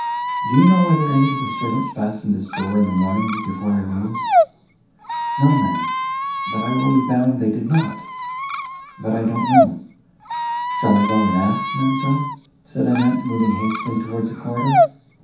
"Do you know whether any of the servants fastened this door in the morning, before I rose?" "No, ma'am, that I will be bound they did not; but I don't know: shall I go and ask, ma'amselle?" said Annette, moving hastily towards the corridor.